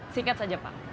singkat saja pak